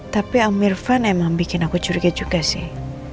tapi om irfan emang bikin aku curiga juga sih